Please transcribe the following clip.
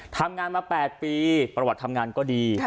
ทำงานมา๘ปีประวัติทำงานก็ดี